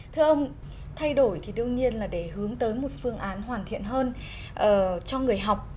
thưa ông thay đổi thì đương nhiên là để hướng tới một phương án hoàn thiện hơn cho người học